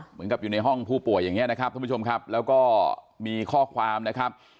อยู่ในห้องผู้ป่วยอย่างนี้นะครับท่านผู้ชมครับแล้วก็มีข้อความนะครับ